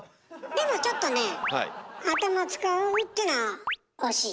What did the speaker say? でもちょっとねえ「頭使う」ってのは惜しい。